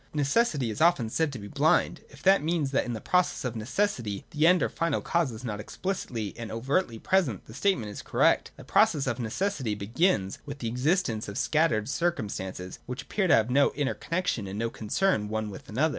Necessity is often said to be blind. If that means that in the process of necessity the End or iinal cause is not explicitly and overtly present, the statement is correct. The process of necessity begins with the existence of scattered circum stances which appear to have no inter connexion and no concern one with another.